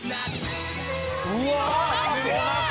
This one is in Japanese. うわすごい！